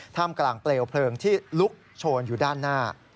มกลางเปลวเพลิงที่ลุกโชนอยู่ด้านหน้า